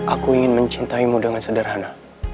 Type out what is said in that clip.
aku ingin mencintaimu dengan sederhana